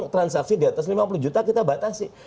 transaksi di atas lima puluh juta kita batasi